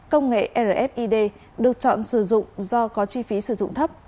công nghệ rfid được chọn sử dụng do có chi phí sử dụng thấp